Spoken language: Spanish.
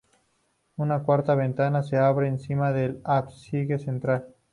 Una cuarta ventana se abre encima del ábside central.